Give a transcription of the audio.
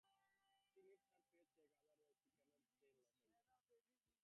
She needs her pay check or otherwise she can't stay in Los Angeles.